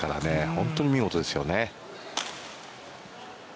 本当に見事ですよね。